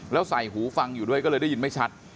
แล้วใส่หูฟังอยู่ด้วยก็เลยได้ยินไม่ชัด